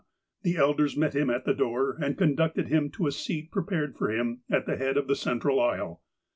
The elders met him at the door, and conducted him to a seat pre pared for him at the head of the centre aisle.